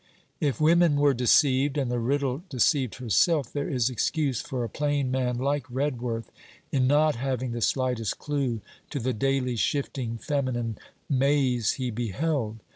If women were deceived, and the riddle deceived herself, there is excuse for a plain man like Redworth in not having the slightest clue to the daily shifting feminine maze he beheld.